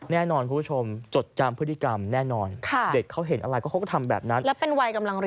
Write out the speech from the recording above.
แน่นอนคุณผู้ชมจดจำพฤติกรรมแน่นอนเด็กเขาเห็นอะไรก็เขาก็ทำแบบนั้น